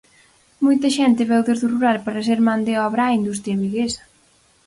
Moita xente veu desde o rural para ser man de obra á industria viguesa.